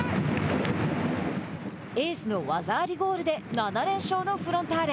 エースの技ありゴールで７連勝のフロンターレ。